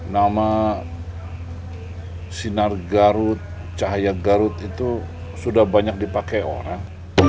nama sinar garut cahaya garut itu sudah banyak dipakai orang